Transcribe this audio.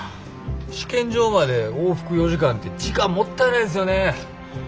試験場まで往復４時間って時間もったいないんですよね。